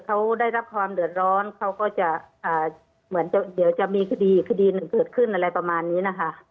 เขาได้รับความเดือดร้อนเขาก็จะเหมือนเดี๋ยวจะมีคดีอีกคดีหนึ่งเกิดขึ้นอะไรประมาณนี้นะคะ